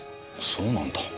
そうなんだ。